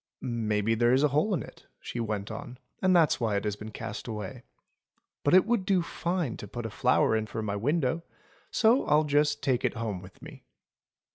"Maybe there is a hole in it," she went on, "and that's why it has been cast away. But it would do fine to put a flower in for my window ; so I'll just take it home with me."